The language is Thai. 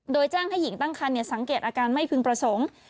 โดยแจ้งให้หญิงตั้งคันสังเกตอาการไม่พึงประสงค์